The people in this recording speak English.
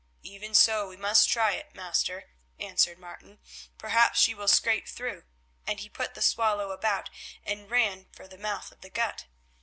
"Even so we must try it, master," answered Martin. "Perhaps she will scrape through," and he put the Swallow about and ran for the mouth of the gut.